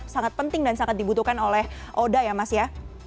sangat penting dan sangat dibutuhkan oleh oda ya mas ya